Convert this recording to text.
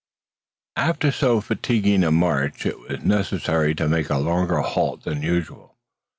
After so fatiguing a march, it was necessary to make a longer halt than usual.